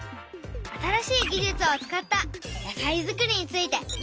新しい技術を使った野菜作りについて見てみよう！